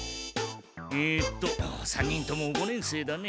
えっと３人とも五年生だね。